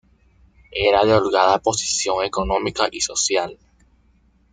Era de holgada posición económica y social.